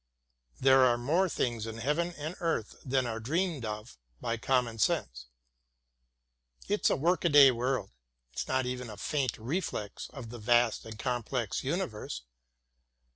There are more things in heaven and earth than are dreamt of by common sense. Its work a day world is not even a faint reflex of the vast and complex universe.